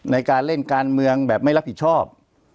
ในการเล่นการเมืองแบบไม่รับผิดชอบ